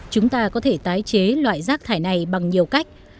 chúng ta có thể tái chế loại rác thải này bằng nhiều cách